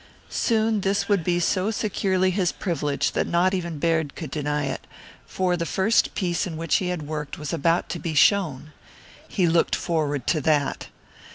Soon this would be so securely his privilege that not even Baird could deny it, for the first piece in which he had worked was about to be shown. He looked forward to that.